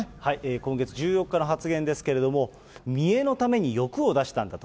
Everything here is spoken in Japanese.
今月１４日の発言ですけれども、見えのために欲を出したんだと。